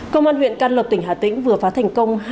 công an huyện can lộc tỉnh hà tĩnh vừa phá thành công